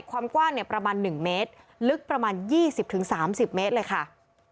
ความกว้างเนี่ยประมาณ๑เมตรลึกประมาณ๒๐๓๐เมตรเลยค่ะ